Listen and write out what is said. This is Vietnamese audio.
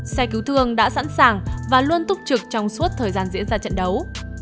xe cứu thương đã sẵn sàng và luôn túc trực trong suốt thời gian diễn ra trận đấu